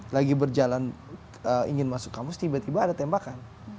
lagi berjalan ingin masuk kampus tiba tiba ada tembakan